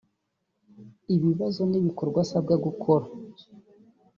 ibibazo n’ibikorwa asabwa gukora